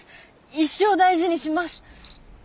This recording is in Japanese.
一生大事にします。